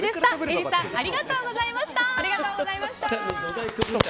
エリさんありがとうございました。